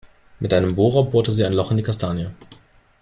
Mit einem Bohrer bohrte sie ein Loch in die Kastanie.